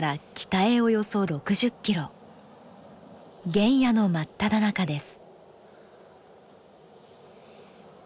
原野の真っただ中です。